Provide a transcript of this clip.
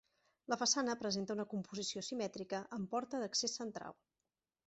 La façana presenta una composició simètrica amb porta d'accés central.